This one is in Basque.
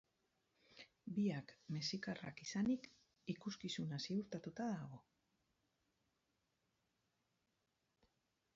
Biak mexikarrak izanik, ikuskizuna ziurtatuta dago.